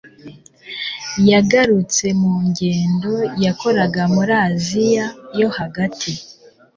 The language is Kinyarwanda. Yagarutse mu ngendo yakoraga muri Aziya yo Hagati.